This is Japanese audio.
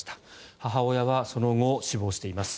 母親はその後、死亡しています。